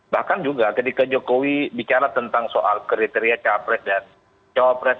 bahkan juga ketika jokowi bicara tentang soal kriteria capres dan cawapres